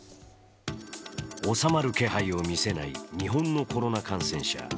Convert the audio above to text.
収まる気配を見せない日本のコロナ感染者。